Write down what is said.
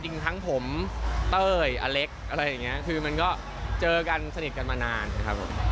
จริงทั้งผมเต้ยอเล็กอะไรอย่างนี้คือมันก็เจอกันสนิทกันมานานนะครับผม